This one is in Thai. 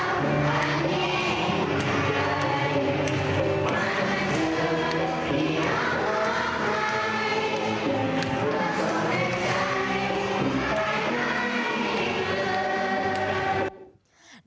โดยหลังจากการต้องรับเสร็จ